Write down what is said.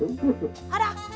あら！